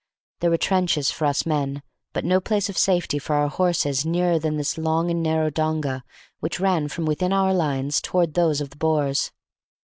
There were trenches for us men, but no place of safety for our horses nearer than this long and narrow donga which ran from within our lines towards those of the Boers.